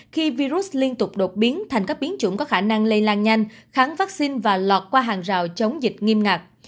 khi virus liên tục đột biến thành các biến chủng có khả năng lây lan nhanh kháng vaccine và lọt qua hàng rào chống dịch nghiêm ngặt